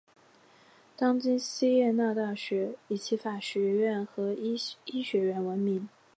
当今锡耶纳大学以其法学院和医学院闻名。